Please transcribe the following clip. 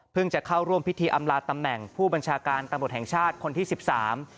จะเข้าร่วมพิธีอำลาตำแหน่งผู้บัญชาการตำรวจแห่งชาติคนที่สิบสาม